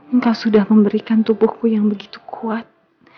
engka sudah memberikan tubuhku yang begitu kuat